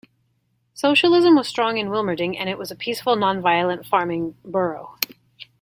Socialism was strong in Wilmerding and it was a peaceful non-violent farming borough.